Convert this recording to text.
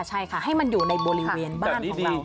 ใช่ค่ะให้มันอยู่ในบริเวณบ้านของเรา